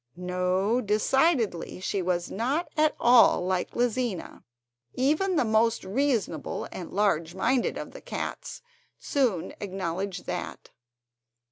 No, decidedly she was not at all like Lizina. Even the most reasonable and large minded of the cats soon acknowledged that.